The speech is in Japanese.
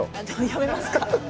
やめますか？